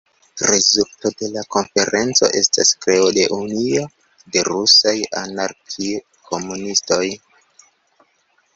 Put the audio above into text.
Rezulto de la konferenco estas kreo de "Unio de rusaj anarki-komunistoj".